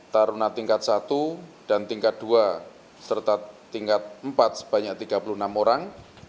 taruna tingkat satu dan tingkat dua serta tingkat empat sebanyak tiga puluh enam orang